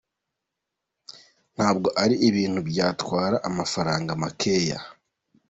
ntabwo ari ibintu byatwara amafaranga makeya.